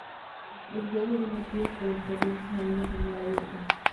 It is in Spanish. Los huevos son movidos por las corrientes marinas en mar abierto.